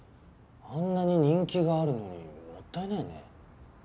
あんなに人気があるのにもったいないね。